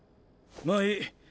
まあいい。